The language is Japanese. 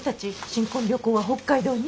新婚旅行は北海道に？